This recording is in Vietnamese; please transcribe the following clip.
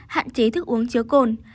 tám hạn chế thức uống chứa cồn